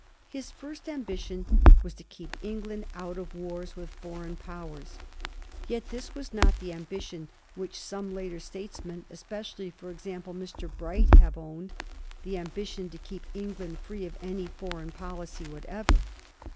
His first ambitio?* was to keep England out of wars with foreign Powers. Yet his was not the ambition which some later statesmen, especially, for example, Mr. Bright, have owned — ^the ambition to keep England free of any foreign policy whatever.